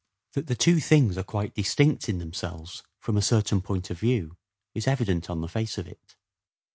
That the two things are quite distinct in themselves from a certain point of view is evident on the face of it.